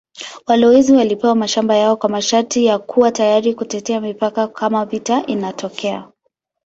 Walowezi walipewa mashamba yao kwa masharti ya kuwa tayari kutetea mipaka kama vita inatokea.